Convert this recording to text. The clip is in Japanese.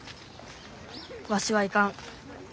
わしは行かん。